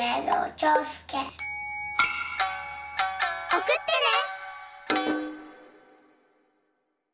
おくってね！